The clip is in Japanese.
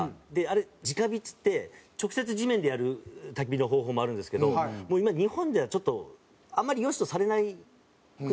あれ直火っつって直接地面でやる焚き火の方法もあるんですけど今日本ではちょっとあんまり良しとされなくなってるんですね。